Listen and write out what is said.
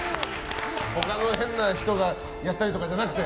他の変な人がやったりとかじゃなくて。